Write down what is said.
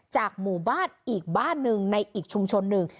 หมู่บ้านอีกบ้านหนึ่งในอีกชุมชนหนึ่ง